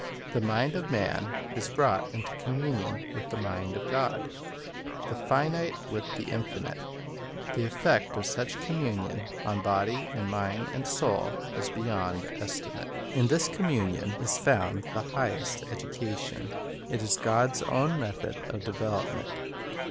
The mind of man is brought into communion with the mind of God, the finite with the Infinite. The effect of such com munion on body and mind and soul is beyond estimate. In this communion is found the highest education. It is God's own method of development.